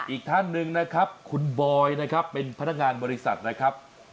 อีกท่านหนึ่งนะครับคุณบอยนะครับเป็นพนักงานบริษัทนะครับ